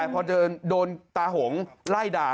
พอเดินโดนตาหงไล่ด่า